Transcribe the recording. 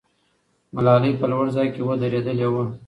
ملالۍ په لوړ ځای کې ودرېدلې وه.